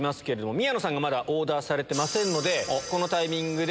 宮野さんがオーダーされてませんのでこのタイミングで。